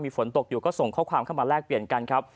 ฝนตกอยู่ก็ส่งข้อความเข้ามาแลกเปลี่ยนกันครับ